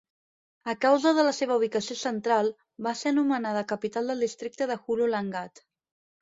A causa de la seva ubicació central, va ser anomenada capital del districte de Hulu Langat.